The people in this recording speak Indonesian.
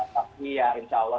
tapi ya insya allah